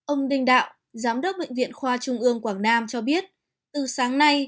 ông đinh đạo giám đốc bệnh viện khoa trung ương quảng nam cho biết từ sáng nay